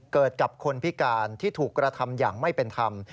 เกิดกับคนพิการที่ถูกกระทำอย่างไม่เป็นธรรม